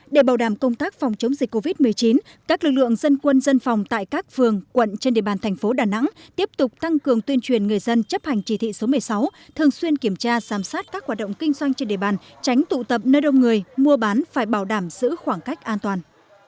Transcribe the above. để bảo đảm công tác phòng chống dịch covid một mươi chín các lực lượng dân quân dân phòng tại các phường quận trên địa bàn thành phố đà nẵng tiếp tục tăng cường tuyên truyền người dân chấp hành chỉ thị số một mươi sáu thường xuyên kiểm tra giám sát các hoạt động kinh doanh trên địa bàn tránh tụ tập nơi đông người mua bán phải bảo đảm giữ khoảng cách an toàn